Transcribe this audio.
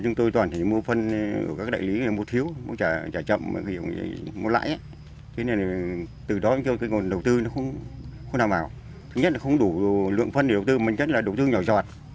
nói chung là đầu tư nhỏ giọt